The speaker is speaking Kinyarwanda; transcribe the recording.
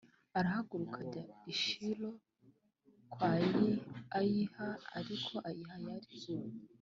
arahaguruka ajya i Shilo kwa Ahiya Ariko Ahiya yari